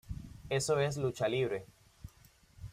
Eso es lucha libre.